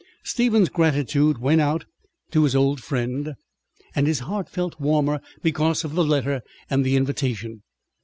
Stephen's gratitude went out to his old friend, and his heart felt warmer because of the letter and the invitation.